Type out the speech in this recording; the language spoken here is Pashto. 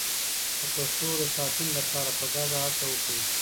د پښتو د ساتنې لپاره په ګډه هڅه وکړئ.